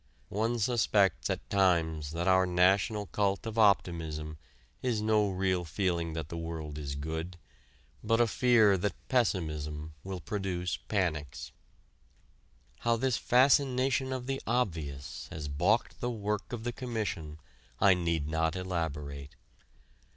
One suspects at times that our national cult of optimism is no real feeling that the world is good, but a fear that pessimism will produce panics. How this fascination of the obvious has balked the work of the Commission I need not elaborate.